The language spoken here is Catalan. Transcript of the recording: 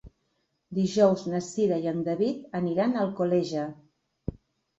Dijous na Cira i en David aniran a Alcoleja.